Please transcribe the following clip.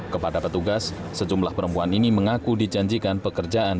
kepada petugas sejumlah perempuan ini mengaku dijanjikan pekerjaan